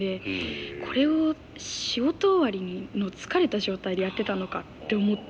これを仕事終わりの疲れた状態でやってたのかって思って。